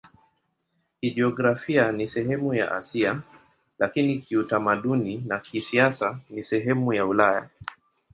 Kijiografia ni sehemu ya Asia, lakini kiutamaduni na kisiasa ni sehemu ya Ulaya.